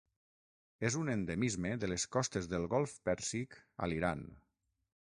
És un endemisme de les costes del golf Pèrsic a l'Iran.